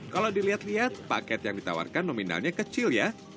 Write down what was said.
kalau dilihat lihat paket yang ditawarkan nominalnya kecil ya